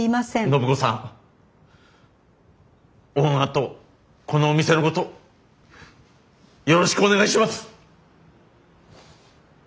暢子さんオーナーとこのお店のことよろしくお願いします。